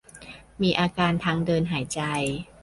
มีอาการทางเดินหายใจ